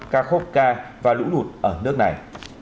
kharkovka và lũ lụt ở nước này